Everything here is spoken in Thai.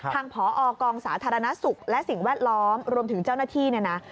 ผอกองสาธารณสุขและสิ่งแวดล้อมรวมถึงเจ้าหน้าที่เนี่ยนะ